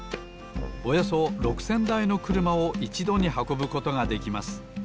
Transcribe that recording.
およそ６，０００だいのくるまをいちどにはこぶことができます